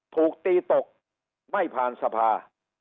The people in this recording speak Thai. ถูกตีตกไม่ผ่านสภา